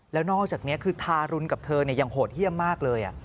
แล้วนอกจากนี้คือทารุณกับเธออย่างโหดเยี่ยมมากเลย